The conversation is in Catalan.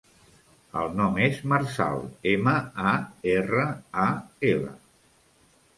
El nom és Marçal: ema, a, erra, a, ela.